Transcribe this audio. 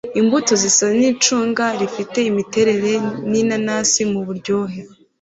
imbuto zisa nicunga rifite imiterere ninanasi muburyohe